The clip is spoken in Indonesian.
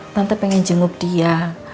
tante ingin menjenguk dia